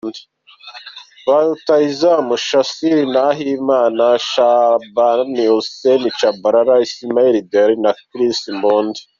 Ba rutahizamu: Shassir Nahimana, Shaban Hussein Tshabalala, Ismaila Diarra na Christ Mbondi.